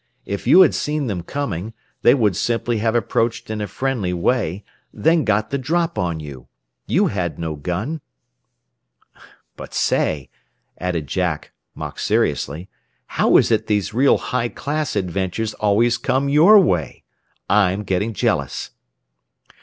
If you had seen them coming, they would simply have approached in a friendly way, then got the drop on you. You had no gun. "But, say," added Jack mock seriously, "how is it these real high class adventures always come your way? I'm getting jealous."